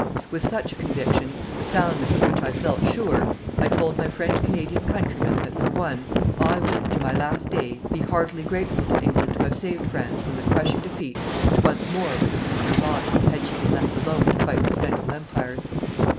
With such a conviction, the soundness of which I felt sure, I told my French Canadian countrymen that, for one, I would, to my last day, be heartily grateful to England to have saved France from the crushing defeat which once more would have been her lot, had she been left alone to fight the Central Empires.